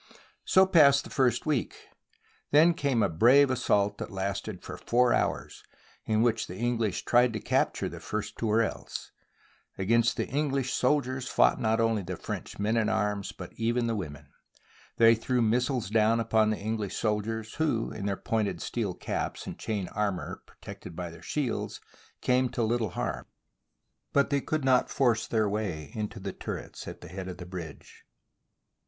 So passed the first week. Then came a brave as sault that lasted for four hours, in which the Eng lish tried to capture the first Tourelles. Against the English soldiers fought not only the French men at arms, but even the women. They threw missiles down upon the English soldiers, who, in their pointed steel caps and chain armour protected by their shields, came to little harm, but could not force their way into the turrets at the head of the bridge.